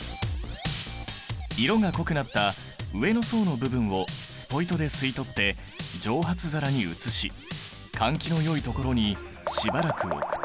色が濃くなった上の層の部分をスポイトで吸い取って蒸発皿に移し換気のよいところにしばらく置くと。